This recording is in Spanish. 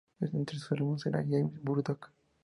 Entre sus alumnos era James Murdock.